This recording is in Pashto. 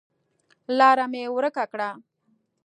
لاره مې ورکه کړه